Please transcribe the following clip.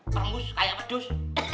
tengus kayak pedus